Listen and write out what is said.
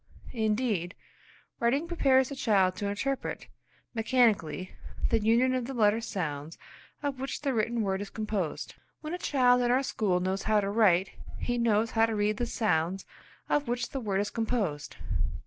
Indeed, writing prepares the child to interpret mechanically the union of the letter sounds of which the written word is composed. When a child in our school knows how to write, he knows how to read the sounds of which the word is composed.